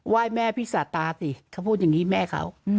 ยแม่พี่สาตาสิเขาพูดอย่างนี้แม่เขา